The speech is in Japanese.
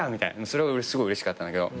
それすごいうれしかったんだけど。